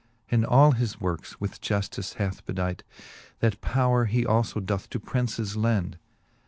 And all his workes with Juftice hath bedight. That powre he alfo doth to princes lend.